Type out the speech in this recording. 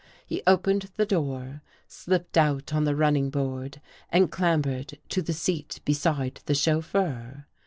He opened the door, slipped out on the running board and clambered to the seat beside the chauf feur.